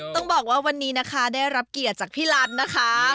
ต้องบอกว่าวันนี้นะคะได้รับเกียรติจากพี่รัฐนะคะ